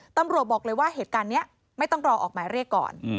ตำรวจบอกเลยว่าเหตุการณ์นี้ไม่ต้องรอออกหมายเรียกก่อน